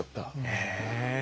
へえ。